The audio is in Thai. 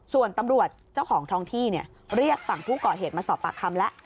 ส่วนตำรวจเจ้าของท้องที่เรียกฝั่งผู้ก่อเหตุมาสอบปากคำแล้ว